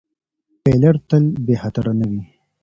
فیلر تل بې خطره نه وي.